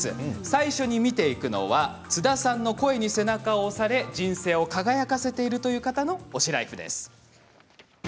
最初に見ていくのは津田さんの声に背中を押され人生を輝かせているという方の推しライフです。